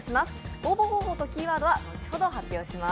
応募方法とキーワードは後ほど発表します。